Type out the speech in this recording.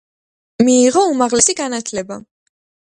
მიიღო უმაღლესი განათლება.